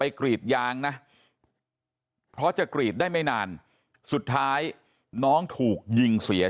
กรีดยางนะเพราะจะกรีดได้ไม่นานสุดท้ายน้องถูกยิงเสีย